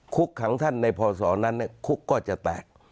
คุกของท่านในพอสอนั้นเนี่ยคุกก็จะแตก